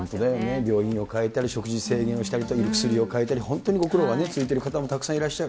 病院を変えたり、食事制限をしたり、薬をかえたり、本当にご苦労が続いてる方もたくさんいらっしゃる。